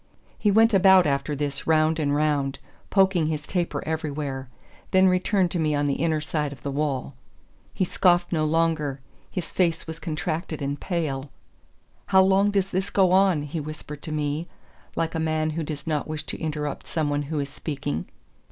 He went about after this round and round, poking his taper everywhere, then returned to me on the inner side of the wall. He scoffed no longer; his face was contracted and pale. "How long does this go on?" he whispered to me, like a man who does not wish to interrupt some one who is speaking.